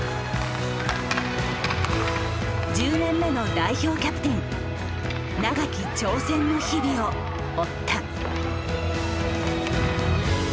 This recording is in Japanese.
１０年目の代表キャプテン長き挑戦の日々を追った。